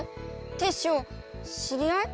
テッショウ知り合い？